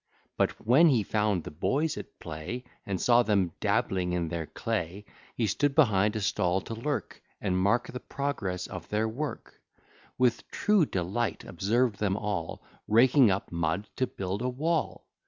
But, when he found the boys at play And saw them dabbling in their clay, He stood behind a stall to lurk, And mark the progress of their work; With true delight observed them all Raking up mud to build a wall.